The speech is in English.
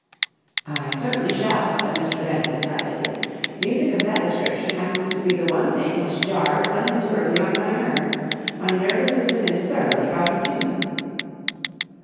"I certainly shall," said Mr. Bennett decidedly. "Music of that description happens to be the one thing which jars unendurably on my nerves. My nervous system is thoroughly out of tune."